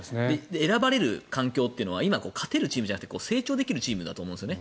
選ばれる環境というのは今、勝てるチームじゃなくて成長できる環境だと思うんですね。